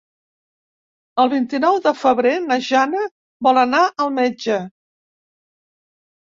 El vint-i-nou de febrer na Jana vol anar al metge.